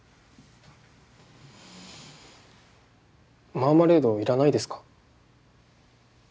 マーマレードいらないですか？